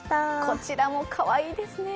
こちらもかわいいですね。